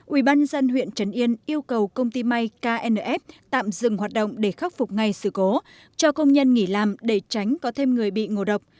ubnd huyện trấn yên yêu cầu công ty may knf tạm dừng hoạt động để khắc phục ngay sự cố cho công nhân nghỉ làm để tránh có thêm người bị ngộ độc